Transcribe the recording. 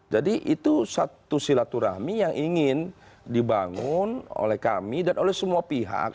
jadi itu satu silaturahmi yang ingin dibangun oleh kami dan oleh semua pihak